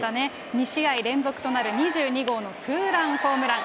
２試合連続となる２２号のツーランホームラン。